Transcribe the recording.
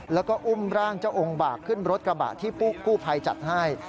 แล้วก็อุ้มร่างเจ้าองค์บากขึ้นรถกระบะที่กู้ภัยจัดให้